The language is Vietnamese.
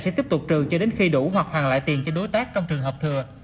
sẽ tiếp tục trừ cho đến khi đủ hoặc hoàn lại tiền cho đối tác trong trường hợp thừa